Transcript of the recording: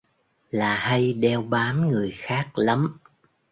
là hay đeo bám người khác lắm